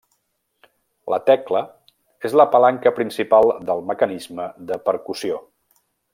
La tecla és la palanca principal del mecanisme de percussió.